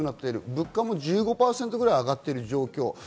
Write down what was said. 物価も１５％ぐらい上がっている状況。